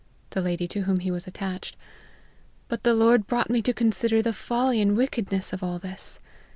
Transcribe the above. [The 'lady to whom he was attached.] But the Lord brought me to consider the folly and wickedness of all this.